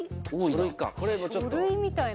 書類みたいな。